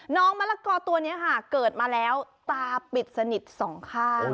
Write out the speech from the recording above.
มะละกอตัวนี้ค่ะเกิดมาแล้วตาปิดสนิทสองข้าง